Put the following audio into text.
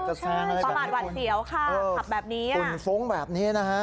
ประมาทหวัดเสียวค่ะขับแบบนี้ฝุ่นฟุ้งแบบนี้นะฮะ